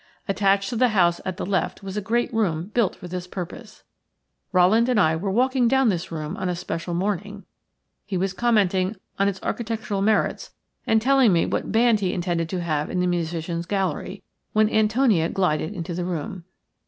Attached to the house at the left was a great room built for this purpose. Rowland and I were walking down this room on a special morning; he was commenting on its architectural merits and telling me what band he intended to have in the musicians' gallery, when Antonia glided into the room.